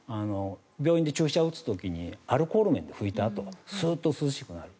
病院で注射を打つ時にアルコール綿で拭いたあとにスーッと涼しくなる。